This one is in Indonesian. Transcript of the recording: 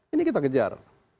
ini kita kejar